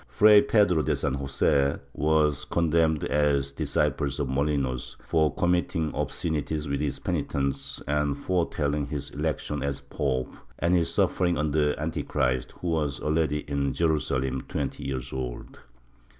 Fray Pedro de San Jose was condemned as a disciple of Molinos, for committing ol)scenities with his penitents and fore telling his election as pope and his suffering under Antichrist, who was already in Jerusalem, twenty years old.